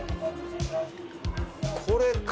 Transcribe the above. これか。